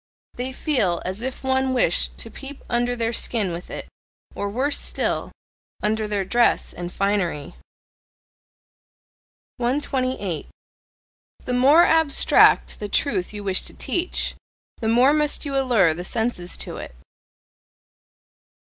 They feel as if one wished to peep under their skin with it or worse still! under their dress and finery. 128. The more abstract the truth you wish to teach, the more must you allure the senses to it.